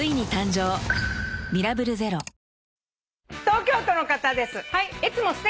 東京都の方です。